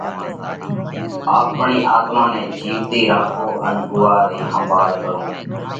آپڻئہ آتما نئہ جيوَتئِي راکوو ان اُوئا رئِي ۿمڀاۯ ڪروو